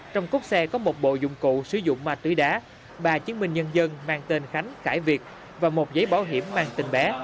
trong cốc xe có một bộ dụng cụ sử dụng ma túy đá ba chứng minh nhân dân mang tên khánh cải việt và một giấy bảo hiểm mang tình bé